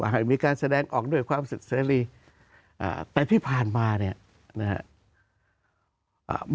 ให้มีการแสดงออกด้วยความสุดเสรีแต่ที่ผ่านมาเนี่ยนะครับ